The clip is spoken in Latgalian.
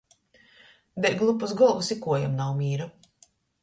Deļ glupys golvys i kuojom nav mīra.